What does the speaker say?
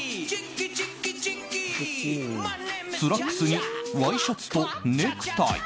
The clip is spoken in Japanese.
スラックスにワイシャツとネクタイ。